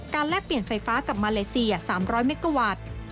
แลกเปลี่ยนไฟฟ้ากับมาเลเซีย๓๐๐เมกะวัตต์